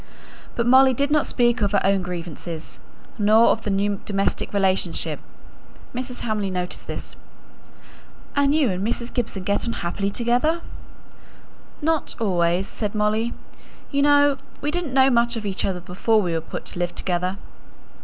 But Molly did not speak of her own grievances, nor of the new domestic relationship. Mrs. Hamley noticed this. "And you and Mrs. Gibson get on happily together?" "Not always," said Molly. "You know we didn't know much of each other before we were put to live together."